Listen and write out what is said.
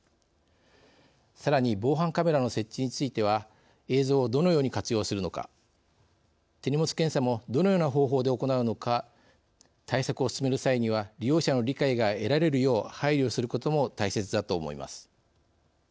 さらに防犯カメラの設置については映像をどのように活用するのか手荷物検査もどのような方法で行うのか対策を進める際には利用者の理解が得られるよう配慮することも大切だと思います。